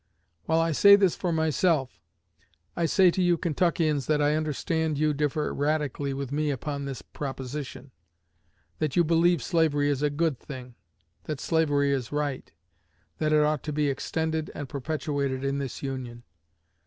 While I say this for myself, I say to you Kentuckians, that I understand you differ radically with me upon this proposition; that you believe slavery is a good thing; that slavery is right; that it ought to be extended and perpetuated in this Union.